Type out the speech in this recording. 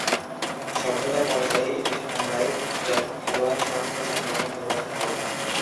সভ্যতার পর্যায়ে, এটি শোনা যায় যখন খেলোয়াড় সক্রিয় যানবাহন নির্বাচন করে।